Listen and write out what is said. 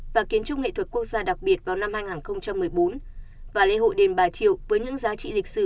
và kiến trúc nghệ thuật quốc gia đặc biệt vào năm hai nghìn một mươi bốn và lễ hội đền bà triệu với những giá trị lịch sử